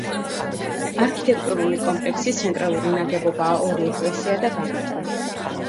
არქიტექტურული კომპლექსის ცენტრალური ნაგებობაა ორი ეკლესია და გავიტი.